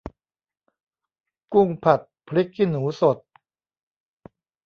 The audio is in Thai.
กุ้งผัดพริกขี้หนูสด